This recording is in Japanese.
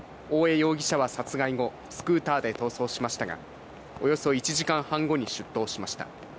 容疑者は殺害後、スクーターで逃走しましたが、およそ１時間半後に出頭しました。